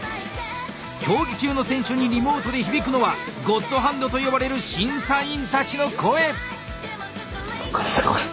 競技中の選手にリモートで響くのはゴッドハンドと呼ばれる審査員たちの声！